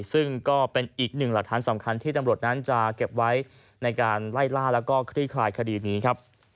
ซึ่งก็เป็นอีกหนึ่งหลักฐานสำคัญที่ตำรวจนั้นจะเก็บไว้ในการไล่ล่าแล้วก็คลี่คลายคดีนี้ครับ